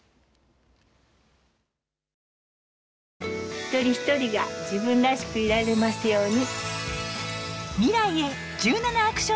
一人一人が自分らしくいられますように。